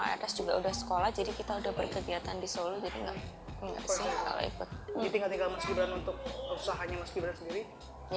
etes juga udah sekolah jadi kita udah berkegiatan di solo